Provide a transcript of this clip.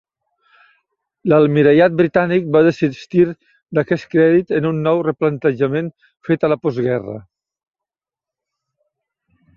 L'Almirallat britànic va desistir d'aquest crèdit en un nou replantejament fet a la postguerra.